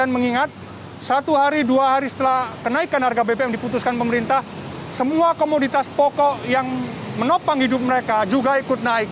mengingat satu hari dua hari setelah kenaikan harga bbm diputuskan pemerintah semua komoditas pokok yang menopang hidup mereka juga ikut naik